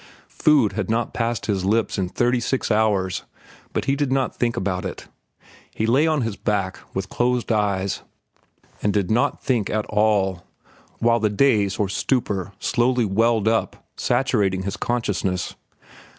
Food had not passed his lips in thirty six hours, but he did not think about it. He lay on his back, with closed eyes, and did not think at all, while the daze or stupor slowly welled up, saturating his consciousness.